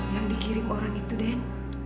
yang dikirim orang itu den